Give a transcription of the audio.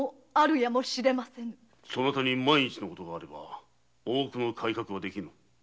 そなたに万一のことがあれば大奥の改革はできぬ。